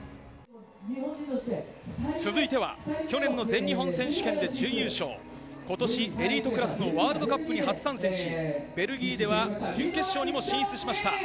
続いては去年の全日本選手権で準優勝、今年エリートクラスのワールドカップに初参戦し、ベルギーでは準決勝にも進出しました、